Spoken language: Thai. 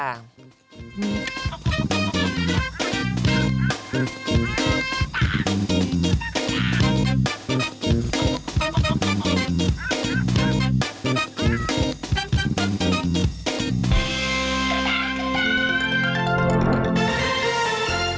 ก็ได้ก็ได้